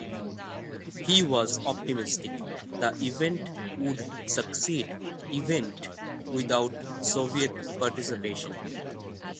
He was optimistic the event would succeed event without Soviet participation.